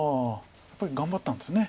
やっぱり頑張ったんです。